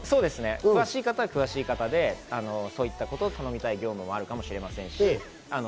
詳しい方は詳しい方でそういったことを頼むこともあるかもしれませんし。